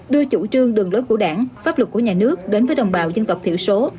đưa chủ trương đường lối của đảng pháp luật của nhà nước đến với đồng bào dân tộc thiểu số